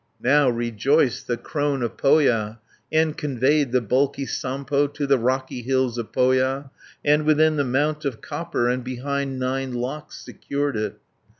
Now rejoiced the Crone of Pohja, And conveyed the bulky Sampo, To the rocky hills of Pohja, And within the Mount of Copper, And behind nine locks secured it.